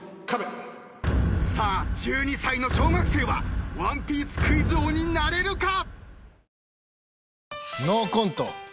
さあ１２歳の小学生はワンピースクイズ王になれるか？